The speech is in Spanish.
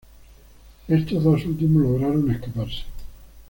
Estos dos últimos lograron escaparse.